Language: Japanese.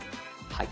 はい。